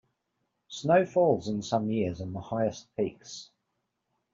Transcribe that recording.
Snow falls in some years on the highest peaks.